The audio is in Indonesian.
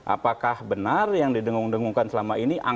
apakah benar yang didengung dengungkan selama ini